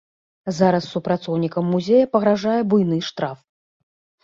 Зараз супрацоўнікам музея пагражае буйны штраф.